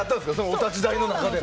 お立ち台の中でも。